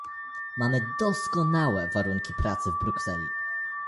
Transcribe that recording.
Mamy doskonałe warunki pracy w Brukseli